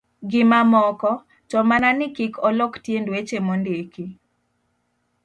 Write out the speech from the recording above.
gi mamoko, to mana ni kik olok tiend weche mondiki.